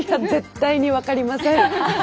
絶対に分かりません。